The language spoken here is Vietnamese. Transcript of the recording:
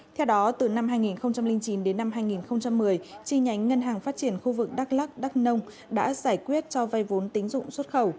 theo đó từ năm hai nghìn chín đến năm hai nghìn một mươi chi nhánh ngân hàng phát triển khu vực đắk lắc đắk nông đã giải quyết cho vay vốn tín dụng xuất khẩu